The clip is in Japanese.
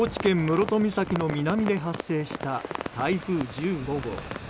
室戸岬の南で発生した台風１５号。